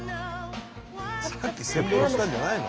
さっきせんべろしたんじゃないの？